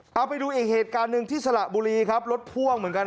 เอาไปดูอีกเหตุการณ์หนึ่งที่สระบุรีครับรถพ่วงเหมือนกัน